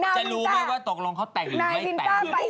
จะรู้ไหมว่าตกลงเขาแต่งหรือไม่แต่ง